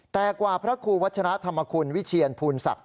แต่กว่าพระครูวัชระธรรมคุณวิเชียนภูนศักดิ